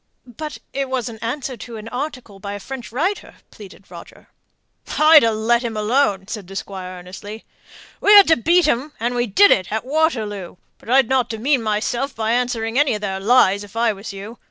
"But it was an answer to an article by a French writer," pleaded Roger. "I'd ha' let him alone!" said the Squire, earnestly. "We had to beat 'em, and we did it at Waterloo; but I'd not demean myself by answering any of their lies, if I was you.